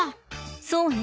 そうね。